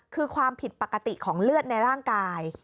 คือความผิดปกติของเลือดในร่างกาย